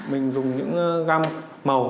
mình dùng những gam màu